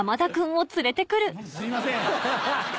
すいません。